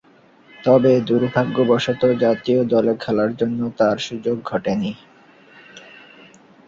তবে, দূর্ভাগ্যবশতঃ জাতীয় দলে খেলার জন্যে তার সুযোগ ঘটেনি।